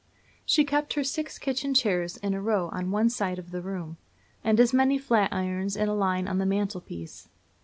She kept her six kitchen chairs in a row on one side of the room, and as many flatirons in a line on the mantelpiece.